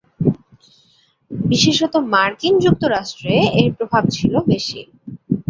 বিশেষত মার্কিন যুক্তরাষ্ট্রে এর প্রভাব ছিল বেশি।